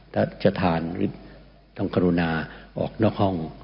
ถ้าจะทานหรือต้องกรุณาออกนอกห้อง